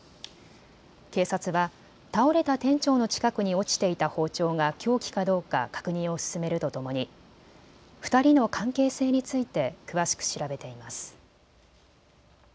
警察は倒れた店長の近くに落ちていた包丁が凶器かどうか確認を進めるとともに２人の関係性について詳しく調べています。